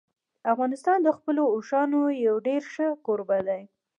افغانستان د خپلو اوښانو یو ډېر ښه کوربه دی.